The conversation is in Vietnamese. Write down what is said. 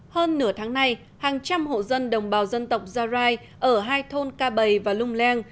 hơn nửa tháng nay hàng trăm hộ dân đồng bào dân tộc gia rai ở hai thôn ca bày và lung leng